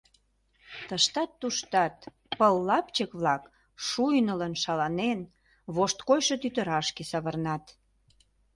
Тыштат-туштат пыл лапчык-влак, шуйнылын, шаланен, вошт койшо тӱтырашке савырнат.